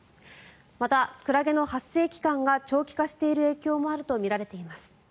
また、クラゲの発生期間が長期化している影響もあるとみられています。